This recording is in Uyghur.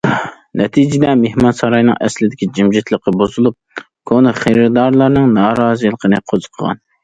نەتىجىدە، مېھمانساراينىڭ ئەسلىدىكى جىمجىتلىقى بۇزۇلۇپ، كونا خېرىدارلارنىڭ نارازىلىقىنى قوزغىغان.